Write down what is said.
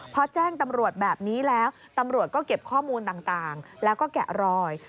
พอแจ้งตำรวจแบบนี้แล้วตำรวจก็เก็บข้อมูลต่างแล้วก็แกะรอย